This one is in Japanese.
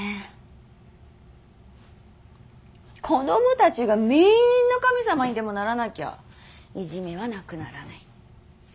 子供たちがみんな神様にでもならなきゃいじめはなくならない。